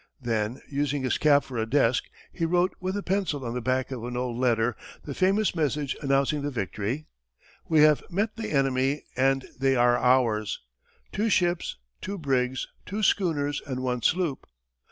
Then, using his cap for a desk, he wrote with a pencil on the back of an old letter the famous message announcing the victory: "We have met the enemy and they are ours two ships, two brigs, two schooners and one sloop."